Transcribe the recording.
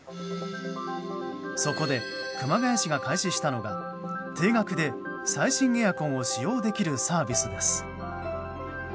そこで熊谷市が開始したのが定額で最新エアコンを使用できるサービスです。